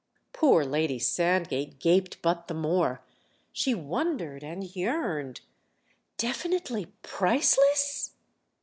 Poor Lady Sandgate gaped but the more—she wondered and yearned. "Definitely priceless?"